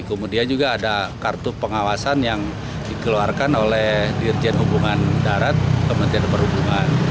kemudian juga ada kartu pengawasan yang dikeluarkan oleh dirjen perhubungan darat kementerian perhubungan